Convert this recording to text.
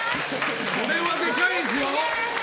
これはでかいですよ！